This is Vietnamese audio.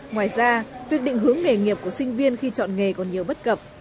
ngoài ra việc định hướng nghề nghiệp của sinh viên khi chọn nghề còn nhiều bất cập